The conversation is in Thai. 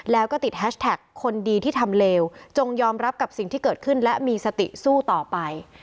แล้วก็ติดแฮชแท็กคนดีที่ทำเลวจงยอมรับกับสิ่งที่เกิดขึ้นและมีสติสู้ต่อไป